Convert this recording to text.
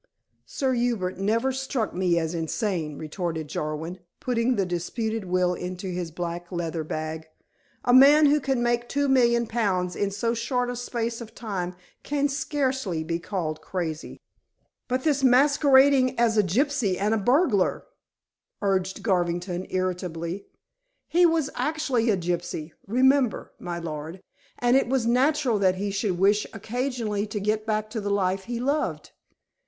"Sir Hubert never struck me as insane," retorted Jarwin, putting the disputed will into his black leather bag. "A man who can make two million pounds in so short a space of time can scarcely be called crazy." "But this masquerading as a gypsy and a burglar," urged Garvington irritably. "He was actually a gypsy, remember, my lord, and it was natural that he should wish occasionally to get back to the life he loved.